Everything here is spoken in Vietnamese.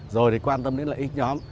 rồi thì quan tâm đến lợi ích nhóm